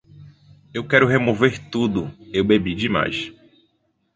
Eu quero remover tudo: eu bebi demais.